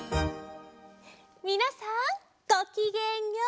みなさんごきげんよう！